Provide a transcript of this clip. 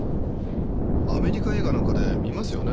アメリカ映画なんかで見ますよね